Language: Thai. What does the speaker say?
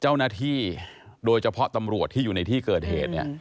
เจ้าหน้าที่โดยเฉพาะตำรวจที่อยู่ในที่เกิดเหตุเนี่ย